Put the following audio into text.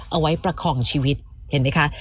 เอาไว้ประคองชีวิตเห็นไหมคะ